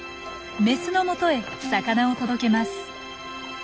メスのもとへ魚を届けます。